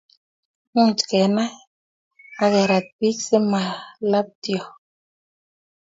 much kenai akerat piik si malaptio